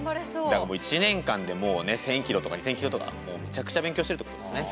だからもう１年間で１，０００ｋｍとか２，０００ｋｍとかもうめちゃくちゃ勉強してるってことですね。